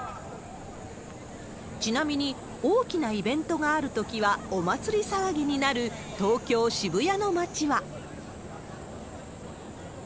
ちなみに、大きなイベントがあるときはお祭り騒ぎになる、東京・渋谷の街は。